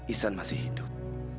isan masih hidup